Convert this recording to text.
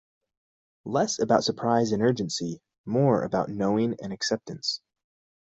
Less about surprise and urgency, more about knowing and acceptance.